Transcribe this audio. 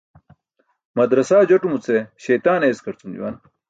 Madarasaa jotumuce śeytaan eeskarcum juwan.